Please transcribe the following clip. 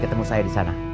itu apaan ya aktas